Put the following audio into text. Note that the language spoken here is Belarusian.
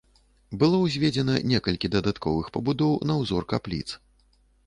Было ўзведзена некалькі дадатковых пабудоў на ўзор капліц.